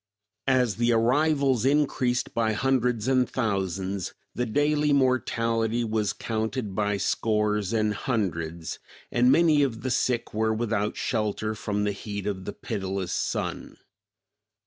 As the arrivals increased by hundreds and thousands, the daily mortality was counted by scores and hundreds, and many of the sick were without shelter from the heat of the pitiless sun.